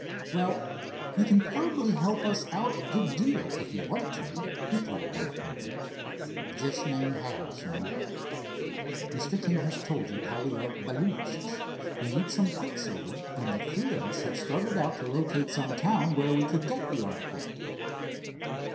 "Well, you can probably help us out a good deal if you want to," replied Dave promptly. "Just name how, son." "Mr. King has told you how we are balloonists. We need some quicksilver, and the three of us had started out to locate some town where we could get the article."